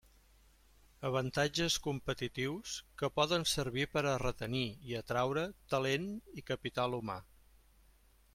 Avantatges competitius que poden servir per a retenir i atraure talent i capital humà.